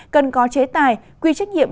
cần có chế tài quy trách nhiệm